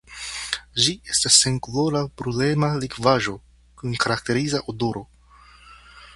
Ĝi estas senkolora brulema likvaĵo kun karakteriza odoro.